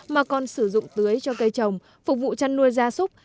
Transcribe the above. mà còn sử dụng tưới cho cây trồng phục vụ chăn nuôi ra soup